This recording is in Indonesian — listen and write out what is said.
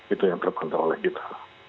itu yang terkontrol oleh kita